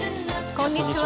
こんにちは。